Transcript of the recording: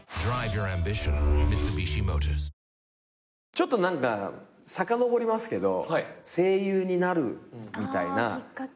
ちょっとさかのぼりますけど声優になるみたいな。きっかけ。